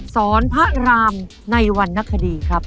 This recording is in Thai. สอนพระรามในวันนักคดีครับ